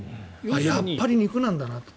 やっぱり肉なんだなって。